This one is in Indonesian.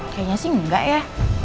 kayaknya sih enggak ya